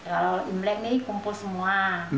kalau imlek ini kumpul semua